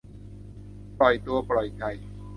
ปล่อยตัวปล่อยใจ